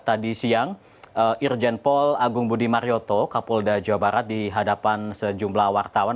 tadi siang irjen paul agung budi marioto kapolda jawa barat di hadapan sejumlah wartawan